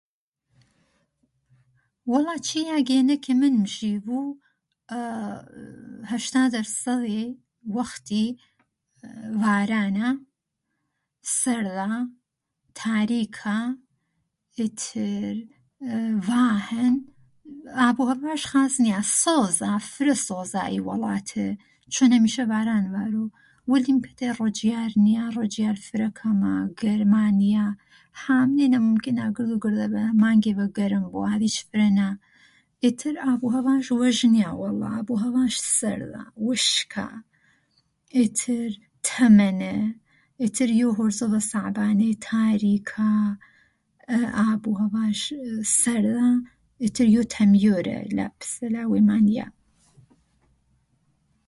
وەڵآ چی یاگێنە کە من مژیڤوو ئا هەشتا دەرسەذێ وەختی ڤارانا، سەذا، تاریکا ئێتر ئێ ئێ ڤا هەن، ئەڤووهەڤاش خاس نیا، سەوزا فرە سەوزا ئی وەڵاتە چوون هەمیشە ڤاران ڤارۆ وەلیمکەتەی رۆجیار نیا رۆجیار فرە کەما گەرما نیا هامنێنە رەنگا گرذووگرذەڤە مانگێڤە گەرم بۆ ئاذیچ فرە نا ئیتر ئاڤووهەڤاش وەش نیا وەڵا ئاڤووهەڤاش سەرذا وشکا، ئتر تەمەنە، ئتر یۆ هۆرزۆڤە ساعبانەی تاریکا ئێ ئاڤووهەڤاش سەرذا ئێ ئێتر یۆ تەمیۆرە. پسە لا ویما نیا